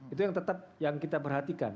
itu yang tetap yang kita perhatikan